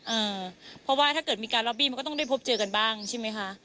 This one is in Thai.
เอ่อเพราะว่าถ้าเกิดมีการล็อบบี้มันก็ต้องได้พบเจอกันบ้างใช่ไหมคะ